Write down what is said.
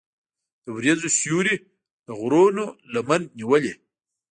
د وریځو سیوری د غرونو لمن نیولې.